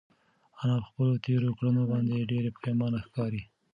انا په خپلو تېرو کړنو باندې ډېره پښېمانه ښکاري.